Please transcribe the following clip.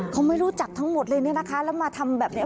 เขาไม่รู้จักทั้งหมดเลยเนี่ยนะคะแล้วมาทำแบบนี้